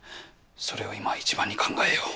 それを今は一番に考えよう。